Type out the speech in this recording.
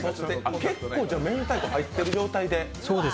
結構明太子入っている状態で。